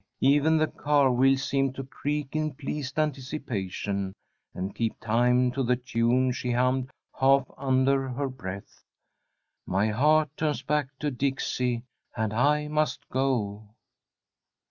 Even the car wheels seemed to creak in pleased anticipation, and keep time to the tune she hummed half under her breath: "My heart turns back to Dixie, And I must go!"